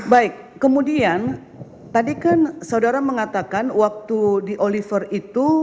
baik kemudian tadi kan saudara mengatakan waktu di oliver itu